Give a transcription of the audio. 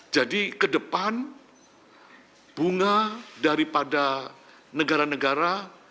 jadi ke depan bunga daripada negara negara